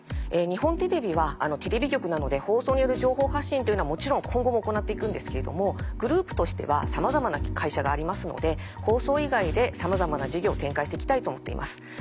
日本テレビはテレビ局なので放送による情報発信というのはもちろん今後も行っていくんですけれどもグループとしてはさまざまな会社がありますので放送以外でさまざまな事業を展開して行きたいと思っています。